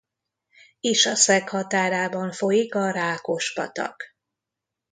Isaszeg határában folyik a Rákos-patak.